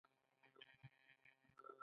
د سپلمۍ خټکی وړوکی وي